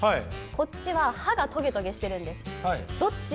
こっちは歯がとげとげしているんです。